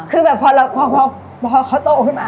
คือแบบพอเขาโตขึ้นมา